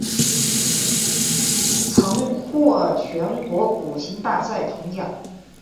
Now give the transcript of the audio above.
曾获全国古琴大赛铜奖。